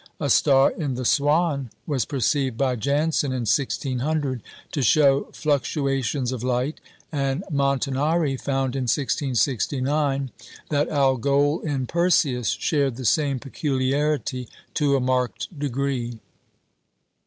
A star in the Swan was perceived by Janson in 1600 to show fluctuations of light, and Montanari found in 1669 that Algol in Perseus shared the same peculiarity to a marked degree.